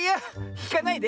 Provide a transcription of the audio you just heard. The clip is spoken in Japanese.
ひかないで。